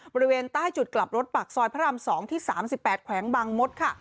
บริเวณใต้จุดกลับรถปากซอยพระราม๒ที่๓๘แขวงบางมดค่ะ